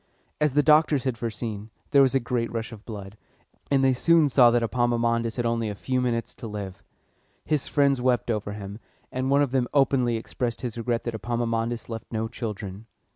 As the doctors had foreseen, there was a great rush of blood, and they soon saw that Epaminondas had only a few minutes to live. His friends wept over him, and one of them openly expressed his regret that Epaminondas left no children.